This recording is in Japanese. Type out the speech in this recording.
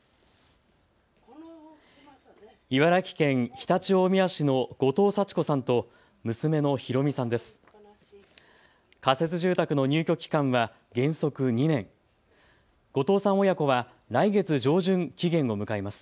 茨城県常陸大宮市の後藤幸子さんと娘のひろみさんです。